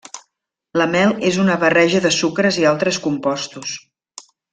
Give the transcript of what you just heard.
La mel és una barreja de sucres i altres compostos.